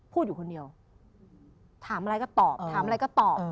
พูดอยู่คนเดียวถามอะไรก็ตอบถามอะไรก็ตอบ